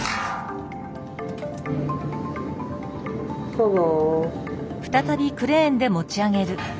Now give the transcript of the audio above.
どうぞ。